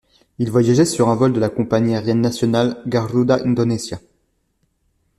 Il voyageait sur un vol de la compagnie aérienne nationale Garuda Indonesia.